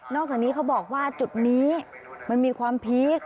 จากนี้เขาบอกว่าจุดนี้มันมีความพีค